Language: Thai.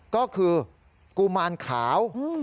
ก็คือกุมารขาว